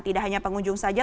tidak hanya pengunjung saja